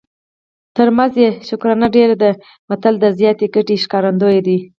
تر مزد یې شکرانه ډېره ده متل د زیاتې ګټې ښکارندوی دی